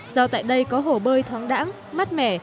do tại đây có hồ bơi thoáng đẳng mát mẻ